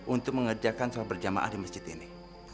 untuk mengerjakan sholat berjamaah di masjid ini